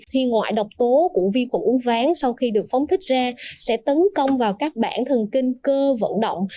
thì ngoại độc tố của vi khuẩn uống ván sau khi được phóng thích ra sẽ tấn công vào các bản thần kinh cơ vận động